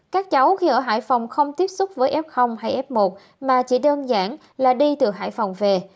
các cháu khi ở hải phòng không tiếp xúc với f hay f một mà chỉ đơn giản là đi từ hải phòng về